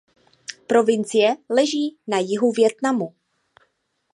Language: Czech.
Provincie leží na jihu Vietnamu.